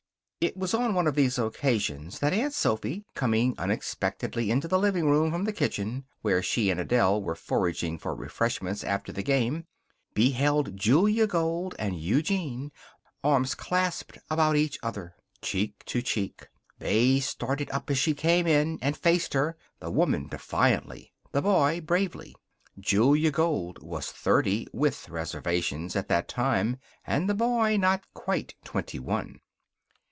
It was on one of these occasions that Aunt Sophy, coming unexpectedly into the living room from the kitchen, where she and Adele were foraging for refreshments after the game, beheld Julia Gold and Eugene, arms clasped about each other, cheek to cheek. They started up as she came in and faced her, the woman defiantly, the boy bravely. Julia Gold was thirty (with reservations) at that time, and the boy not quite twenty one.